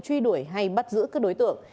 truy đuổi hay bắt giữ các đối tượng